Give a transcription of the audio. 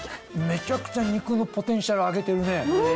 めちゃくちゃ肉のポテンシャル上げてるね。ね！